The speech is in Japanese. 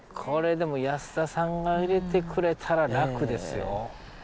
これでも安田さんが入れてくれたら楽ですよ。